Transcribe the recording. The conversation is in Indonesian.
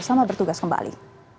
selamat bertugas kembali